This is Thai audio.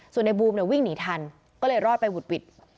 ส่วนในบูมเนี่ยวิ่งหนีทันก็เลยรอดไปหุดหวิด